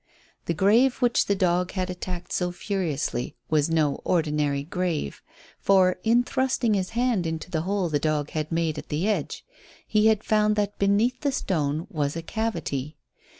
The grave which the dog had attacked so furiously was no ordinary grave, for, in thrusting his hand into the hole the dog had made at the edge, he had found that beneath the stone was a cavity.